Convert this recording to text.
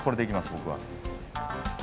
僕は。